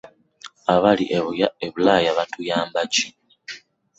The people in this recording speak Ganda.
Abali e Bulaaya batuyamba ki?